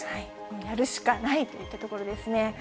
やるしかないといったところですね。